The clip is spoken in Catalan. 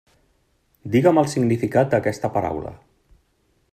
Digue'm el significat d'aquesta paraula.